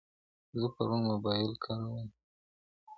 زه پرون موبایل کارولی.